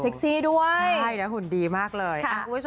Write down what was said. ใช่หุ่นดีมากเลย